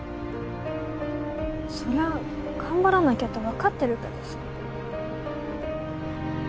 そりゃ頑張らなきゃって分かってるけどさ